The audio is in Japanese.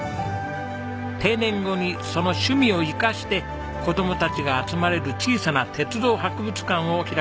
定年後にその趣味を生かして子供たちが集まれる小さな鉄道博物館を開きました。